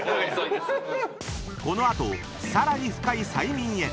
［この後さらに深い催眠へ］